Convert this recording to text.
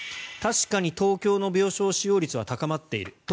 確かに東京の病床使用率は高まっている。